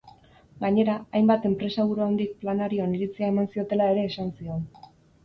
Gainera, hainbat enpresaburu handik planari oniritzia eman ziotela ere esan zion.